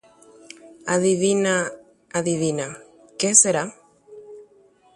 Maravichu, maravichu, mba'émotepa.